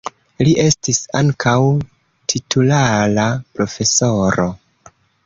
Li estis ankaŭ titulara profesoro.